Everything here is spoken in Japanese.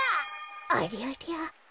ありゃりゃ。